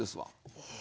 へえ。